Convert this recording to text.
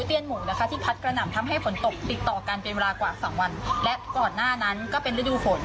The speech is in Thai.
เดิมทีแล้วรถไถจะเป็นภาษณะที่ใช้ในการสัญจร